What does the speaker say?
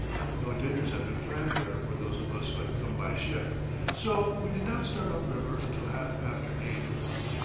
No dinners had been planned there for those of us who had come by ship, so we did not start up river until half after eight.